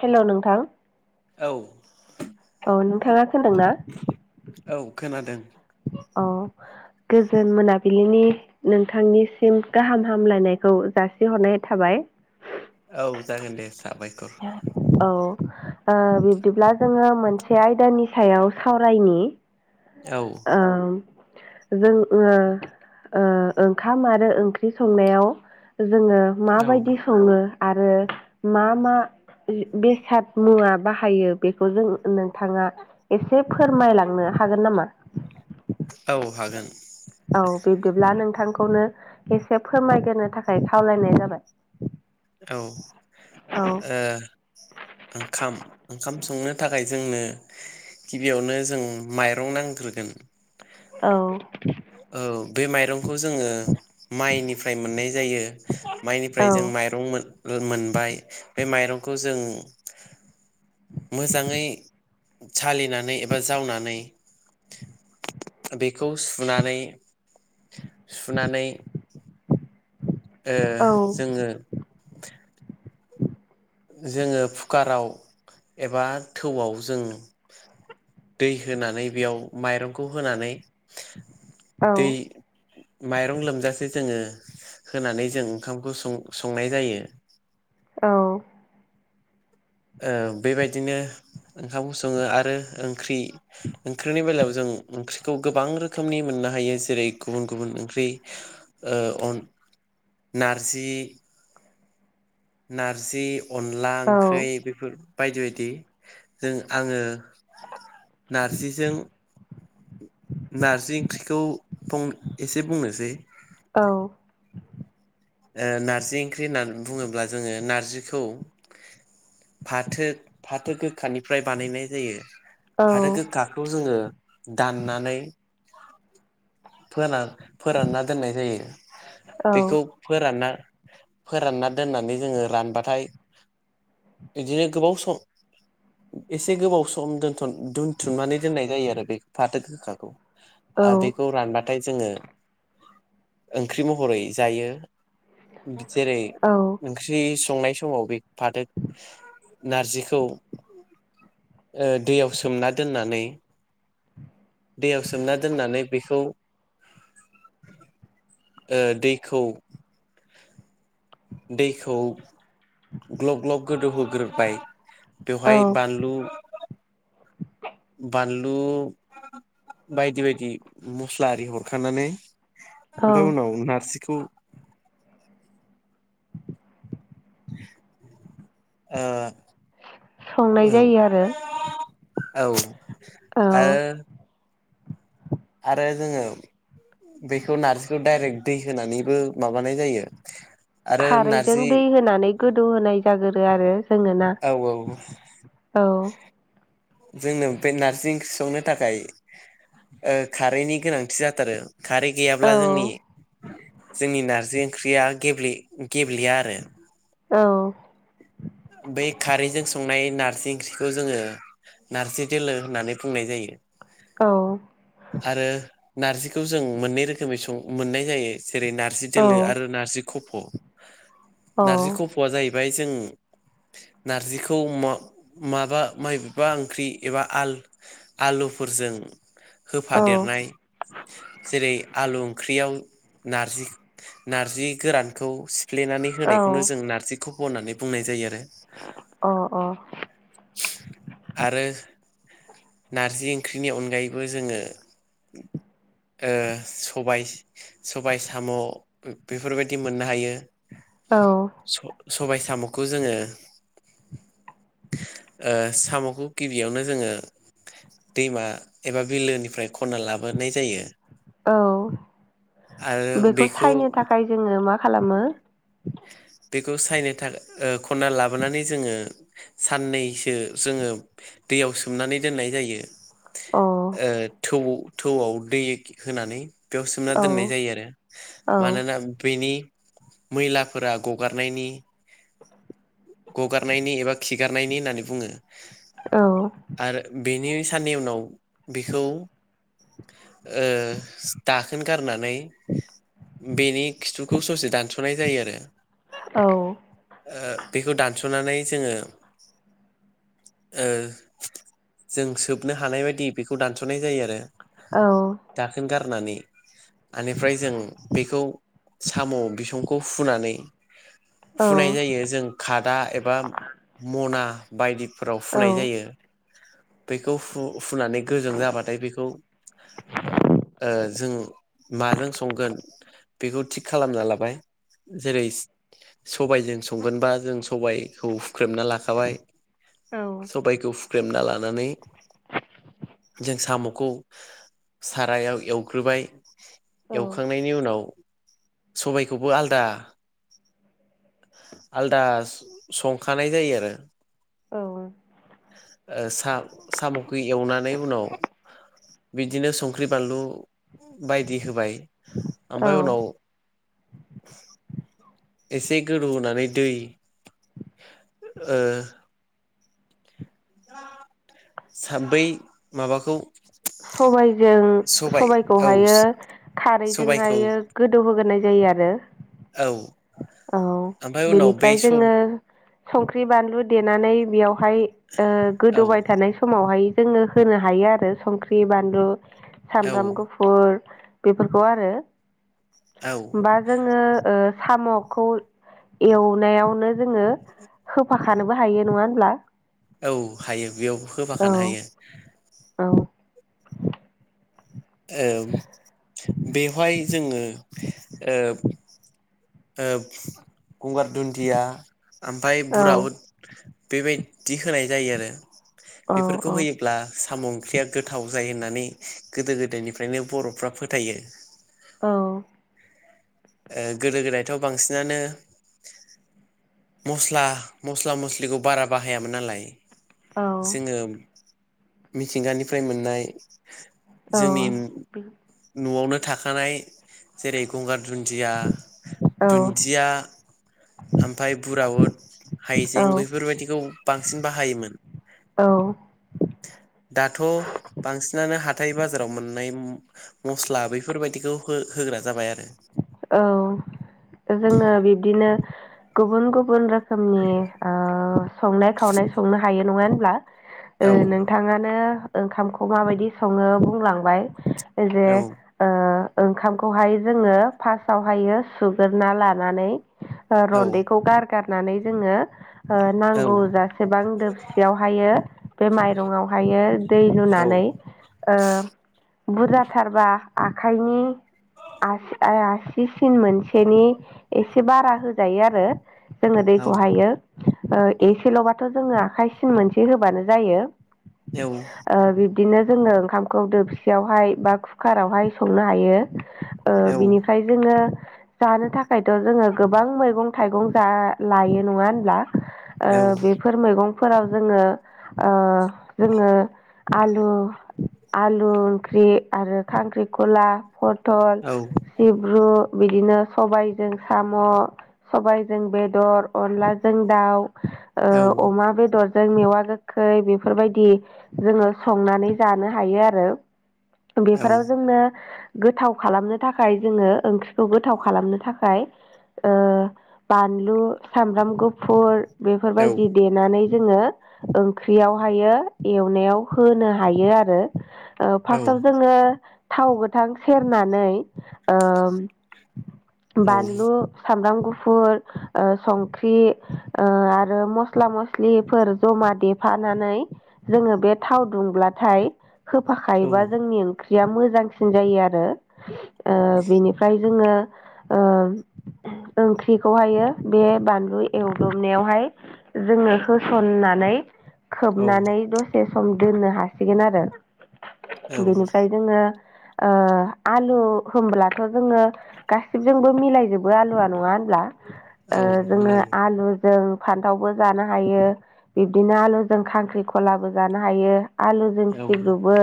हेल' नोंथां औ औ नोंथाङा होनदों ना? औ खोनादों औ गोजोन मोनाबिलिनि नोंथांनिसिम गाहाम हामलायनायखौ जासिहरनाय थाबाय। [inaudible] औ जागोन दे साबायखर औ ओ बिब्दिब्ला जोङो मोनसे आयदानि सायाव सावरायनि औ आ जों ओ ओ ओंखाम आरो ओंख्रि संनायाव जोङो औ माबायदि सङो आरो मा मा बेसाद मुवा बाहायो बेखौ जों नोंथाङा एसे फोरमायलाङो नो हागोन नामा? औ हागोन औ बिब्दिब्ला नोंथांखौनो एसे फोरमायग्रोनो थाखाय खावलायनाय जाबाय। औ ओ औ ओंखाम ओंखाम संनो थाखाय जोंनो गिबियावनो जों माइरं नांग्रोगोन। औ औ बे माइरंखौ जोङो माइनिफ्राय मोननाय जायो औ माइनिफ्राय जों माइ रं मोन बे माइरंखौ जों मोजाङै सालिनानै एबा जावनानै बेखौ सुनानै सुनानै ओ औ जोङो जोङो कुकाराव एबा थौआव जों [inaudible] दै होनानै बेयाव माइरंखौ होनानै औ दै माइरं लोमजासेै जोङो होनानै जों ओंखामखौ सं संनाय जायो। औ औ बेबायदिनो ओंखाम सङो आरो ओंख्रि ओंख्रिनि बेलायाव जों ओंख्रिखौ गोबां रोखोमनि मोन नो हायो जेरै गुबुन गुबुन ओंख्रि ओ अन नारजि नारजि अनला औ ओंख्रै बेफोर बायदि बायदि जों आङो नारजिजों नारजि ओंख्रिखौं बुं एसे बुंनोसै औ ओ नार्जि ओंख्रि होननानै बुङोब्ला जोङो नारजिखौ फाथो फाथो गोखानिफ्राय बानायनाय जायो फाथो गोखाखौ जोङो दाननानै फोरान फोरानना दोननाय जायो बेखौ फोरानना फोरानना दोननानै जोङो रानबाथाय बिदिनो गोबाव सम एसे गोबाव सम दोनथुम दोनथुमनानै दोननाय जायो आरो बे फाथो गोखाखौ औ आरो बेखौ रानबाथाय जोङो ओंख्रि महरै जायो जेरै औ ओंख्रि संनाय समाव बे फाथो नारजिखौ ओ दैयाव सोमना दोननानै दैयाव सोमना दोननानै बेखौ ओ दैखौ दैखौ ग्लब ग्लब गोदौहोग्रोबाय औ बेवहाय बानलु बानलु बायदि बायदि मस्ला आरि हरखानानै औ ओमफाय उनाव नारजिखौ ओ संनाय जायो आरो औ औ आ आरो जोङो बेखौ नारजिखौ डायरेक्ट दै होनानैबो माबानाय जायो आरो खारैजों नारजि दै होनानै गोदौ होनाय जागोरो आरो जोङोना औ औ औ जोंनो बे नारजि ओंख्रि संनो थाखाय ओ खारैनि गोनांथि जाथारो खारै औ गैयाब्ला जोंनि जोंनि नारजि ओंख्रिया गेबलि गेबलिया आरो औ बै खारैजों संनाय नार्जि ओंख्रिखौ जोङो नारजि दोलो होननानै बुंनाय जायो औ आरो नारजिखौ जों मोननै रोखोमै सं मोननाय जायो जेरै नार्जि दोलो आरो नारजि खफ' औ नारजि खफ'आ जाहैबाय जों [inaudible] नारजिखौ मा माबा माइबबा ओंख्रि एबा आलुफोरजों होफादेरनाय जेरै आलु ओंख्रियाव नारजि नारजि गोरानखौ सिफ्लेनानै अ होनायखौ जों नारजि फख' होन्नानै बुंनाय जायो आरो नारजि ओंख्रिनि अनगायैबो जोङो ओ सबाय सबाय साम' बे-बेफोरबायदि मोननो हायो। औ। सबाय साम'खौ जोङो ओ साम'खौ गिबियावनो जोङो दैमा एबा बिलोनिफ्राय खनना लाबोनाय जायो। औ बेखौ सायनो थाखाय जोङो मा खालामो बेखौ सायनो थाखाय ओ खनना लाबोनानै जोङो साननैसो जोङो दैयाव सोमनानै दोननाय जायो। औ ओ थौ-थौआव दै होनानै। बेयाव सोमना औ दोननाय जायो आरो औ मानोना बेनि मैला फोरा गगारनायनि गगारनायनि एबा खिगारनायनि होननानै बुङो औ। आरो बेनि सानै उनाव बेखौ ओ दाखोन गारनानै बेनि खिथुखौ ससे दानस'नाय जायो आरो। औ ओ बेखौ दानस'नानै जोङो ओ जों सोबनो हानाय बायदि बेखौ दानस'नाय जायो आरो। औ दाखोन गारनानै। आनिफ्राय जों बेखौ साम' बिसंखौ हुनानै औ हुनाय जायो जों खादा एबा मना बायदि फोराव औ हुनाय जायो बेखौ हु-हुनानै गोजों जाबाथाय बेखौ ओ ओ जों माजों संगोन बेखौ थिग खालामना लाबाय जेरै स सबायजों संगोनबा जों सबायखौ हुख्रेमना लाखाबाय। सबायखौ हुख्रेमना लानानै जों साम'खौ सारायाव एवग्रोबाय एवखांनायनि उनाव सबायखौबो आलदा आलदा स-संखानाय जायो आरो। औ ओ सा-साम'खो एवनानै उनाव बिदिनो संख्रि बानलु बायदि होबाय ओमफाय उनाव [inaudible] एसे गोदौहोनानै दै ओ सा बै माबाखौ सबायजों सबाय औ सबायखौहायो सबायखौ खारैजोंहायो गोदौहोग्रोनाय जायो आरो। औ औ ओमफ्राय उनाव बै बेनिफ्राय सब जोङो संख्रि बानलु देनानै बेयाव हाय ओ औ गोदौबाय थानाय समावहाय जोङो होनो हायो आरो संख्रि बानलु औ सामब्राम गुफुर बेफोरखौ आरो। औ बा जोङो ओ साम'खौ एवनायावनो जोङो होफाखानोबो हायो नङा होनब्ला। औ हायो बेयाव औ होफाखानो हायो। औ ओ बेवहाय जोङो ओ ओ गंगार दुन्दिया ओमफाय औ बुरा उद बेबाय दि होनाय जायो आरो औ औ बेफोरखौ होयोग्ला साम' ओंख्रिया गोथाव जायो होन्नानै गोदो गोदायनिफ्रायनो बर'फ्रा फोथायो। औ। ओ गोदो गोदायथ' बांसिनानो मस्ला- मस्ला मस्लिखौ बारा बाहायामोन नालाय औ जोङो मिथिंगानिफ्राय मोननाय औ जोंनि न'आवनो थाखानाय जेरै गंगार दुन्दिया- दुन्दिया ओमफ्राय बुराउद औ हाइजें बेफोरबायदिखौ बांसिन बाहायोमोन। औ दाथ' बांसिनानो हाथाय बाजाराव मोननाय मस्ला बेफोरबायदिखौ होग्रा जाबाय आरो। औ जोङो बिब्दिनो गुबुन -गुबुन रोखोमनि संनाय खावनाय संनो हायो नङा होनब्ला औ नोंथाङानो ओंखामखौ माबायदि सङो बुंलांबाय जे औ ओंखामखौहाय जोङो फार्स्टआवहायो सुग्रा लानानै औ रन्दैखौ गारगारनानै जोङो नांगौ जासेबां दोबसियावहायो बे माइरंआवहायो दै औ लुनानै बुरजाथारबा आखाइनि आसि आसि सिन मोनसेनि एसे बारा होजायो आरो। जोङो दैखौ औ हायो ओ एसेल'बाथ' जोङो आखाइ सिन मोनसे होबानो जायो। औ ओ बिब दिनो जोङो ओंखामखौ दोबसियावहाय बा कुकारावहाय संनो हायो। ओ औ बिनिफ्राय जोङो जानो थाखायथ' जोङो गोबां मैगं थाइगं जा लायो नङा होनब्ला? ओ बेफोर मैगं फोराव जोङो ओ जोङो आलु आलु ओंख्रि आरो खांख्रिखला पथल औ सिब्रु बिदिनो सबायजों साम' सबायजों बेदर अनलाजों दाउ औ ओ अमा बेदर जों मेवा गोखै बेफोरबायदि जोङो संनानै जानो हायो आरो। बेफोराव जोंनो गोथाव खालामनो थाखाय जोङो ओंख्रिखौ गोथाव खालामनो थाखाय ओ बानलु सामब्राम गुफुर बेफोरबायदि देनानै जोङो ओंख्रियावहायो एवनायाव होनो हायो आरो। ओ फार्स्टाव जोङो थाव गोथां सेरनानै ओ बानलु सामब्राम गुफु फुर ओ संख्रि ओ आरो मस्ला मस्लिफोर जमा देफा नानै जोङो बे थाव दुंब्लाथाय होफाखायोबा जोंनि ओंख्रिया मोजांसिन जायो आरो ओ बिनिफ्राय जोङो ओ ओंख्रिखौहायो बे बानलु एवदबनायावहाय जोंनो होसनना नानै औ खोबनानै दसे सम दोननो हासिगोन आरो औ बेनिफ्राय जोङो ओ आलु होमब्लाथ' जोङो गासिबजोंबो मिलायजोबो आलुवा नङा होनब्ला? ओ औ जोङो मिलायो आलु जों फान्थावबो जानो हायो बिब्दिनो आलु जों खांख्रिखलाबो जानो हायो आलुजों औ सिब्रुबो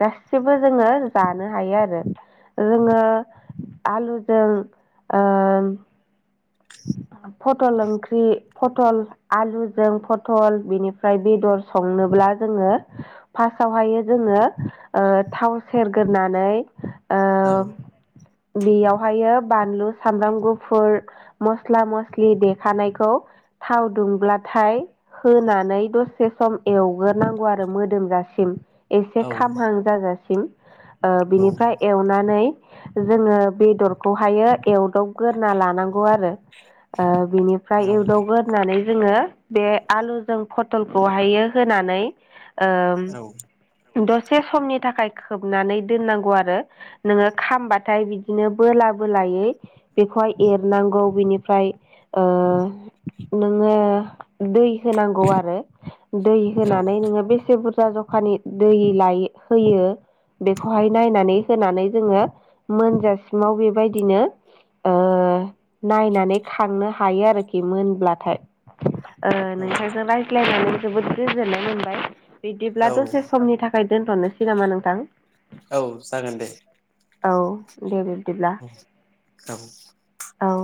गासिबो जोङो जानो हायो आरो। जोङो आलुजों ओ फटल ओंख्रि फटल आलुजों फटल बिनिफ्राय बेदर संनोब्ला जोङो फार्सआवहायो जोङो ओ थाव सेरग्रोनानै औ। ओ बेयावहायो बानलु सामब्राम गुफुर मस्ला मस्लि देखानायखौ थाव दुंब्लाथाय होनानै दसे सम एवग्रोनांगौ आरो मोदोमजासिम। एसे खामहां जाजासिम ओ औ बिनिफ्राय एवनानै जोङो बेदरखौहायो एवदावग्रोना लानांगौ आरो। ओ बिनिफ्राय एवदबग्रोनानै जोङो ङो बे आलुजों फटलखौहायो होनानै औ ओ दसे समनि थाखाय खोबनानै दोननांगौ आरो नोङो खामबाथाय बिदिनो बोला बोलायै बेखौहाय एरनांगौ। बिनिफ्राय ओ नोङो दै होनांगौ आरो। दै औ होनानै नोङो बेसे बुरजा जखानि दै लायो होयो बेखौहाय नायनानै होनानै जोङो मोनजासिमाव बेबायदिनो ओ-नायनानै खांनो हायो आरोखि मोनब्लाथाय। ओ औ नोंथांजों रायज्लायनानै जोबोद गोजोननाय मोनबाय औ बिदिब्ला दसे समनि थाखाय दोनथ'नो सिग नामा नोंथां औ जागोन दे औ दे बिबदिब्ला औ औ